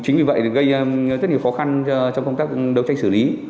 chính vì vậy gây rất nhiều khó khăn trong công tác đấu tranh xử lý